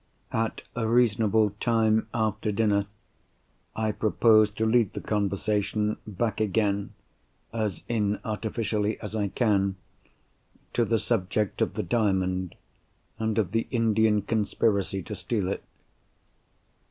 At a reasonable time after dinner I propose to lead the conversation back again—as inartificially as I can—to the subject of the Diamond, and of the Indian conspiracy to steal it.